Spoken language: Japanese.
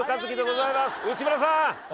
内村さん。